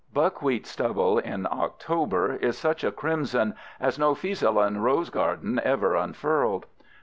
Buckwheat stubble in October is such a crimson as no Fiesolan rose garden ever unfurled.